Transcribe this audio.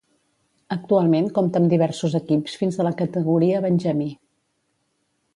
Actualment compta amb diversos equips fins a la categoria benjamí.